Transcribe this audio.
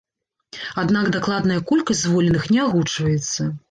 Аднак дакладная колькасць звольненых не агучваецца.